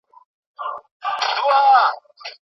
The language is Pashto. ایا د ولسواکۍ لسیزه بېرته تکرارېدای سي؟